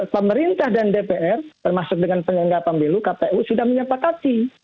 pemerintah dan dpr termasuk dengan penyelenggara pemilu kpu sudah menyepakati